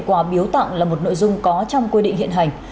quà biếu tặng là một nội dung có trong quy định hiện hành